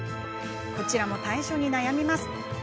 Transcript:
こちらも対処に悩みます。